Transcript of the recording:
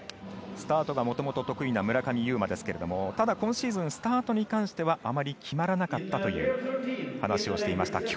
スタートがもともと得意な村上右磨ですけれどもただ、今シーズンスタートに関してはあまり決まらなかったという話をしていました。